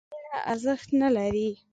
ګوندې وینه ارزښت نه لري